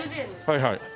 はいはい。